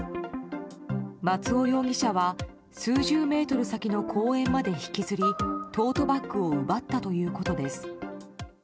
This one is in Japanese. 松尾容疑者は数十メートル先の公園まで引きずりトートバッグを奪ったということです。